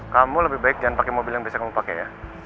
kamu lebih baik jangan pake mobil yang bisa kamu pake ya